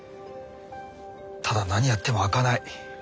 ただ何やっても開かない。